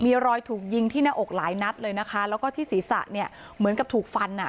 มีรอยถูกยิงที่หน้าอกหลายนัดเลยนะคะแล้วก็ที่ศีรษะเนี่ยเหมือนกับถูกฟันอ่ะ